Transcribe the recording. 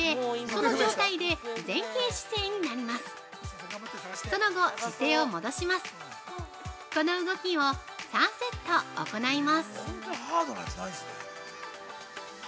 この動きを３セット行います。